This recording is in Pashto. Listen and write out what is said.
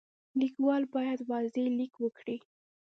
لیکوال باید واضح لیک وکړي.